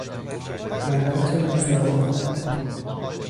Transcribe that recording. حملات روزنامهها